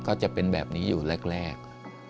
ก็จะเป็นแบบนี้อยู่แรก